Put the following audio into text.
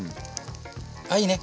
あいいね。